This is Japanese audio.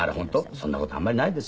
そんな事あんまりないですよ。